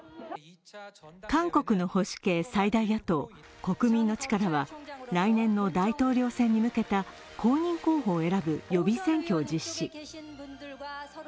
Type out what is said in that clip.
韓国の保守系・最大野党国民の力は来年の大統領選に向けた公認候補を選ぶ予備選挙を実施。